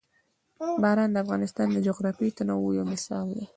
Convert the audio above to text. باران د افغانستان د جغرافیوي تنوع یو مثال دی.